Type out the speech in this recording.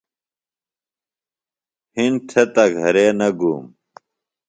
ہِنڈ تھے تہ گھرے نہ گُوم